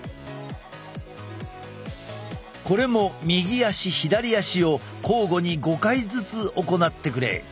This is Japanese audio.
これも右足左足を交互に５回ずつ行ってくれ。